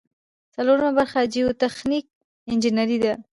څلورمه برخه جیوتخنیک انجنیری ده.